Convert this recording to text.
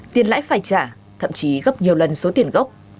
tiền lãi phải trả thậm chí gấp nhiều lần số tiền gốc